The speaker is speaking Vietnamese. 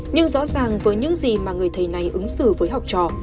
nhưng rõ ràng với những gì mà người thầy này ứng xử với học trò